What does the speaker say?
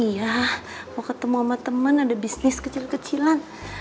iya mau ketemu sama teman ada bisnis kecil kecilan